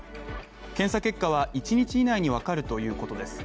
検査結果は１日以内にわかるということです。